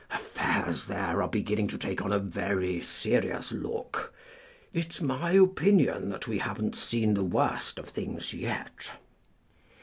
Affairs there are beginning to take on a very serious look. It's my opinion that we haven't seen the worst of things yet."